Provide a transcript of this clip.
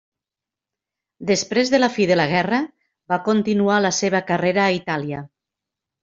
Després de la fi de la guerra va continuar la seva carrera a Itàlia.